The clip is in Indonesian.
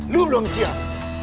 lo belum siap